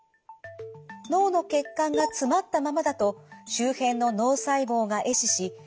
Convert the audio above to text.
脳の血管が詰まったままだと周辺の脳細胞がえ死し